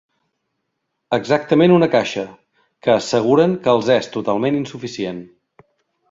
Exactament una caixa, que asseguren que els és totalment insuficient.